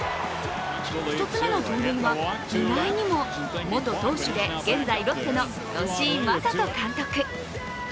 １つ目の盗塁は意外にも元投手で現在ロッテの吉井理人監督。